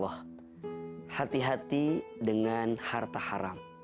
hati hati dengan harta haram